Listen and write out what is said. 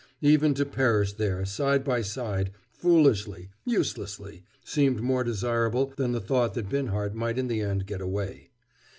Even to perish there side by side, foolishly, uselessly, seemed more desirable than the thought that Binhart might in the end get away.